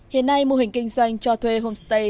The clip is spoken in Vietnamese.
hiện nay mô hình kinh doanh cho thuê homestay